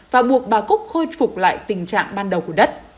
và buộc bà cúc khôi phục lại tình trạng ban đầu của đất